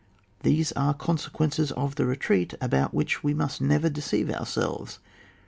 These are consequences of the retreat about which we must never deceive ourselves.